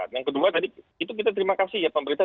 yang kedua tadi itu kita terima kasih ya pemerintah